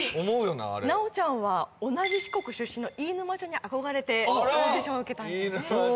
なあれ奈央ちゃんは同じ四国出身の飯沼ちゃんに憧れてオーディション受けたんですね